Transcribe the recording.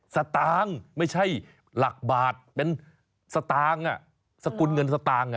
สตางค์ไม่ใช่หลักบาทเป็นสตางค์สกุลเงินสตางค์